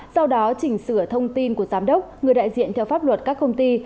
sau đó chỉnh sửa thông tin của giám đốc người đại diện theo pháp luật các công ty